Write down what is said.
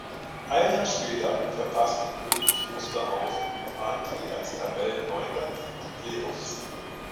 Ein Jahr später verpasste Königs Wusterhausen mit Andrae als Tabellenneunter die Playoffs.